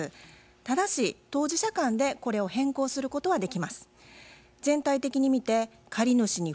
ただし当事者間でこれを変更することはできます。